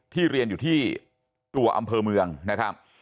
เรียนอยู่ที่ตัวอำเภอเมืองนะครับ